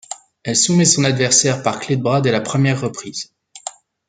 Elle soumet son adversaire par clé de bras dès la première reprise.